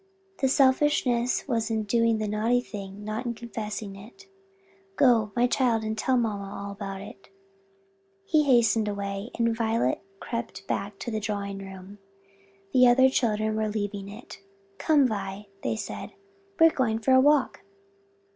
"The selfishness was in doing the naughty thing, not in confessing it. Go, my child, and tell mamma all about it." He hastened away, and Violet crept back to the drawing room. The other children were leaving it. "Come, Vi," they said, "we're going for a walk."